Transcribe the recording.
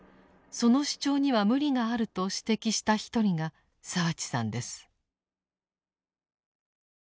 その主張には無理があると指摘した一人が澤地さんです。